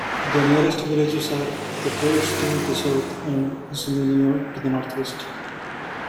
The nearest villages are Petrades to the south and Asimenio to the northwest.